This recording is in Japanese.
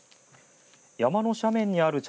山の斜面にある茶